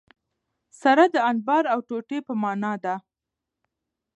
سره د انبار او ټوټي په مانا ده.